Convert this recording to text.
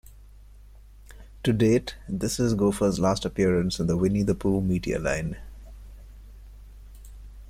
To date, this is Gopher's last appearance in the "Winnie the Pooh" media line.